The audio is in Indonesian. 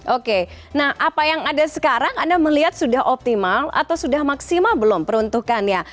oke nah apa yang ada sekarang anda melihat sudah optimal atau sudah maksimal belum peruntukannya